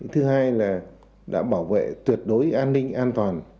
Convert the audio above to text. thứ hai là đã bảo vệ tuyệt đối an ninh an toàn